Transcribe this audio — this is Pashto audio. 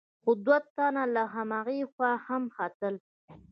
خو دوه تنه له هغې خوا هم ختل.